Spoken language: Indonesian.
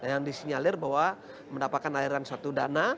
yang disinyalir bahwa mendapatkan aliran suatu dana